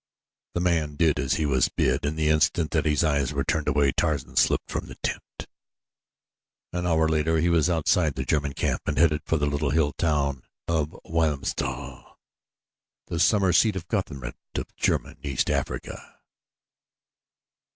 The man did as he was bid and the instant that his eyes were turned away, Tarzan slipped from the tent. An hour later he was outside the German camp and headed for the little hill town of Wilhelmstal, the summer seat of government of German East Africa.